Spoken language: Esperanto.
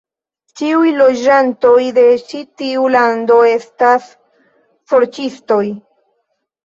Ĉiuj loĝantoj de ĉi tiu lando estas sorĉistoj.